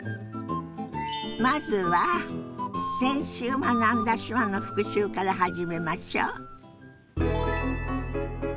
まずは先週学んだ手話の復習から始めましょ。